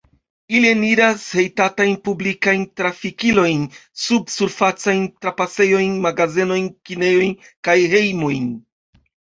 Ili eniras hejtatajn publikajn trafikilojn, subsurfacajn trapasejojn, magazenojn, kinejojn kaj hejmojn.